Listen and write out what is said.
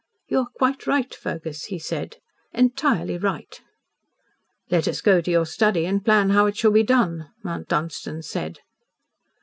"You are quite right, Fergus," he said, "entirely right." "Let us go to your study and plan how it shall be done," Mount Dunstan said.